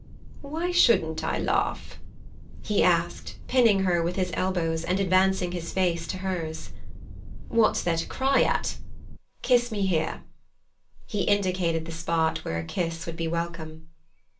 "Why shouldn't I laugh?" he asked, pinning her with his elbows, and advancing his face to hers. "What's there to cry at? Kiss me here." He indicated the spot where a kiss would be welcome.